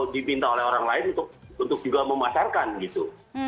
dipinta oleh orang lain untuk juga memasarkan gitu